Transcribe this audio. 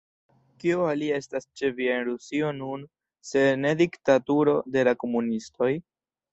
Kio alia estas ĉe vi en Rusio nun, se ne diktaturo de la komunistoj?